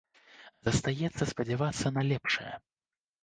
Застаецца спадзявацца на лепшае.